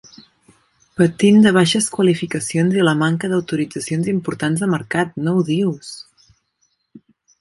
Patint de baixes qualificacions i la manca d'autoritzacions importants de mercat, no ho dius!